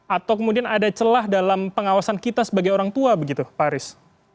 atau kemudian ada celah dalam pengawasan kita sebagai orang tua begitu pak aris